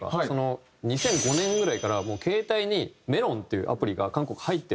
２００５年ぐらいから携帯にＭｅｌｏｎっていうアプリが韓国入ってて。